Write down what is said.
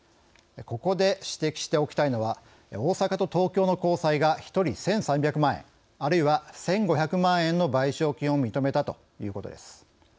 ここで指摘しておきたいのは大阪と東京の高裁が１人１３００万円、あるいは１５００万円の賠償金を認めたということです。